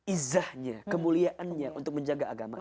izzahnya kemuliaannya untuk menjaga agamanya